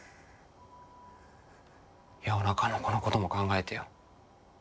いやおなかの子のことも考えてよ。